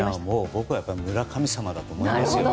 僕は村神様だと思いますよ。